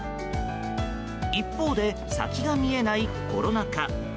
一方で先が見えないコロナ禍。